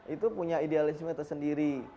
itu punya idealisme tersendiri